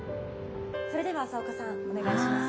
それでは朝岡さんお願いします。